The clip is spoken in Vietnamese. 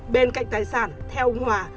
bên cạnh tài sản theo ông hòa